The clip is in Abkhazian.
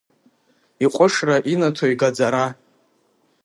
Иҟәышра инаҭо игаӡара…